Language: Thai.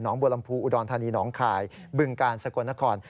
หนองบูรรมภูอุดรธานีหนองคายบึงกาลสกวนคอน